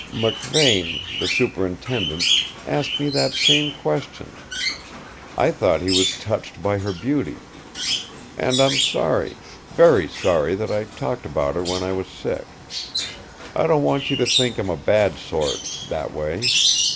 "McVane, the superintendent, asked me that same question. I thought he was touched by her beauty. And I'm sorry very sorry that I talked about her when I was sick. I don't want you to think I am a bad sort that way.